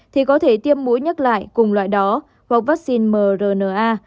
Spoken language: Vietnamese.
thì có thể tiêm mũi nhắc lại cùng loại đó hoặc vắc xin mrna